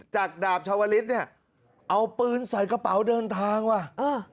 จากดาบชาวลิศเนี่ยเอาปืนใส่กระเป๋าเดินทางว่ะอ่า